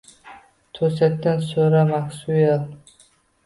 to`satdan so`radi Maksuel